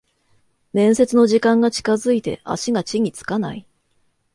面接の時間が近づいて足が地につかない